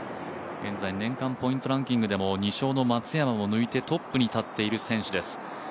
現在年間ポイントランキングでも２勝の松山を抜いてトップに立っている選手です。